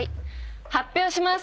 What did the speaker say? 発表します。